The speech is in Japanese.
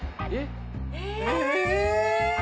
え。